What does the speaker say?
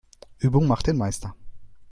Übung macht den Meister.